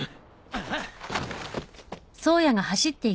ああ！